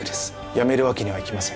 やめるわけにはいきません。